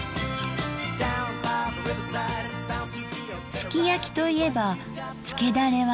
すき焼きといえばつけだれは卵です。